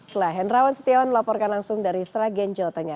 selahen rawan setiawan melaporkan langsung dari sragen jotanya